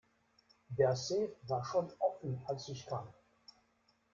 Der Safe war schon offen als ich kam.